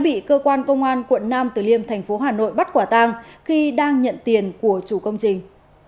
bị cơ quan công an quận nam từ liêm thành phố hà nội bắt quả tang khi đang nhận tiền của chủ công trình